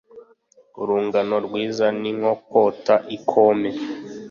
Urungano rwiza ni nko kota ikome